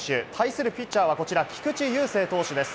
対する選手はこちら菊池雄星投手です。